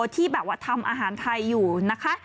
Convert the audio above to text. ที่แบบว่าทำอาหารไทยอยู่นะคะ